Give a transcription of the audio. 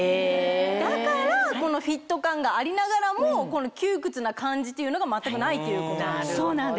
だからこのフィット感がありながらも窮屈な感じっていうのが全くないっていうこと。